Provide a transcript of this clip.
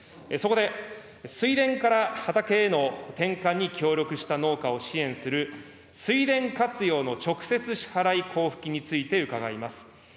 そこで、水田から畑への転換に協力した農家を支援する水田活用の直接支払い交付金について伺います。